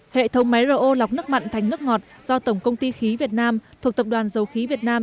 hệ thống máy ro lọc nước mặn thành nước ngọt do tổng công ty khí việt nam thuộc tập đoàn dầu khí việt nam